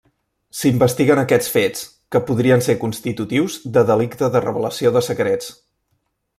S'investiguen aquests fets, que podrien ser constitutius de delicte de revelació de secrets.